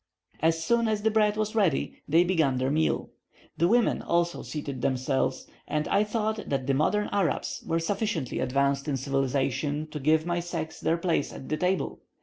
As soon as the bread was ready, they began their meal. The women also seated themselves, and I thought that the modern Arabs were sufficiently advanced in civilization to give my sex their place at table.